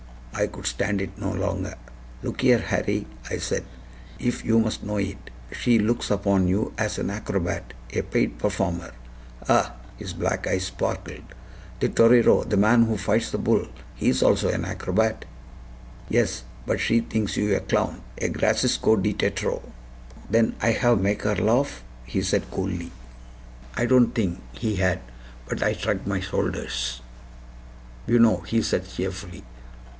I could stand it no longer. "Look here, Harry," I said, "if you must know it, she looks upon you as an acrobat a paid performer." "Ah!" his black eyes sparkled "the torero, the man who fights the bull, he is also an acrobat." "Yes; but she thinks you a clown! a GRACIOSO DE TEATRO there!" "Then I have make her laugh?" he said coolly. I don't think he had; but I shrugged my shoulders. "BUENO!" he said cheerfully.